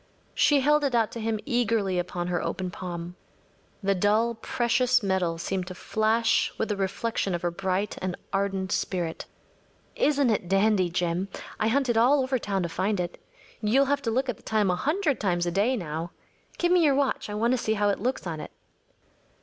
She held it out to him eagerly upon her open palm. The dull precious metal seemed to flash with a reflection of her bright and ardent spirit. “Isn’t it a dandy, Jim? I hunted all over town to find it. You’ll have to look at the time a hundred times a day now. Give me your watch. I want to see how it looks on it.